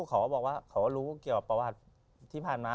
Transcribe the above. เขาก็บอกว่าเขาก็รู้เกี่ยวกับประวัติที่ผ่านมา